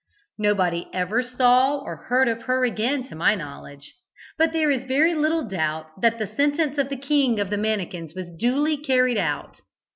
Nobody ever saw or heard of her again to my knowledge, but there is very little doubt that the sentence of the King of the Mannikins was duly carried out.